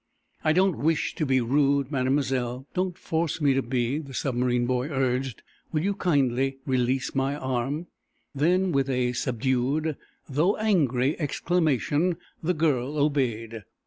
"I don't wish to be rude, Mademoiselle; don't, force me to be," the submarine boy urged. "Will you kindly release my arm?" Then, with a subdued though angry exclamation, the girl obeyed.